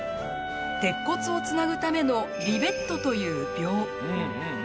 鉄骨をつなぐためのリベットという鋲。